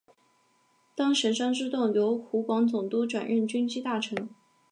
当时张之洞由湖广总督转任军机大臣。